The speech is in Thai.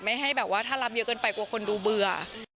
ให้แบบว่าถ้ารับเยอะเกินไปกลัวคนดูเบื่อ